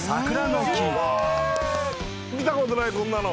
見たことないこんなの。